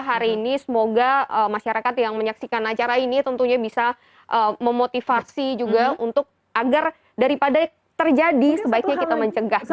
hari ini semoga masyarakat yang menyaksikan acara ini tentunya bisa memotivasi juga untuk agar daripada terjadi sebaiknya kita mencegah